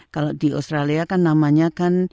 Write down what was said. kalau di australia kan namanya kan